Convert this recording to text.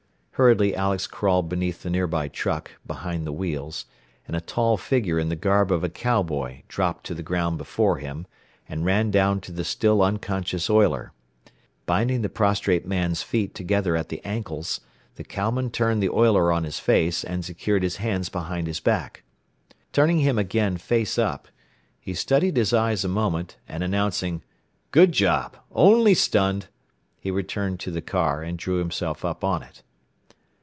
Hurriedly Alex crawled beneath the nearby truck, behind the wheels, and a tall figure in the garb of a cowboy dropped to the ground before him and ran down to the still unconscious oiler. Binding the prostrate man's feet together at the ankles, the cowman turned the oiler on his face, and secured his hands behind his back. Turning him again face up, he studied his eyes a moment, and announcing, "Good job. Only stunned," he returned to the car and drew himself up on it.